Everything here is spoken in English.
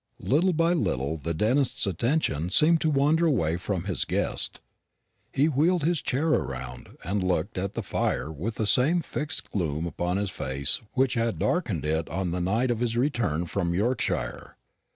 Little by little the dentist's attention seemed to wander away from his guest. He wheeled his chair round, and sat looking at the fire with the same fixed gloom upon his face which had darkened it on the night of his return from Yorkshire.